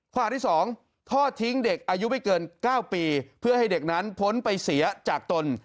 ข้อหาที่๒ทอดทิ้งเด็กอายุไม่เกิน๙ปีเพื่อให้เด็กนั้นพ้นไปเสียจากตน